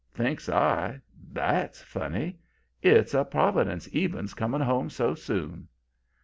"Thinks I: 'That's funny! It's a providence Eben's coming home so soon.'